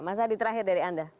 masa di terakhir dari anda